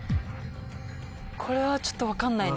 これはちょっと分かんないね。